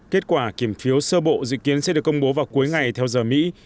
kết quả kiểm phiếu sơ bộ dự kiến sẽ được công bố vào cuối ngày theo giờ mỹ